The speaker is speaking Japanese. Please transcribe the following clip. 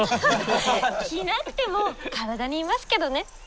着なくても体にいますけどね。